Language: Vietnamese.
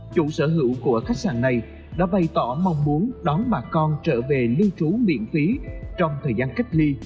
chủ sở hữu của khách sạn này đã bày tỏ mong muốn đón bà con trở về lưu trú miễn phí trong thời gian cách ly